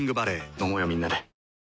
飲もうよみんなで。